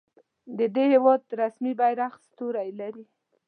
د دې هیواد رسمي بیرغ ستوری لري.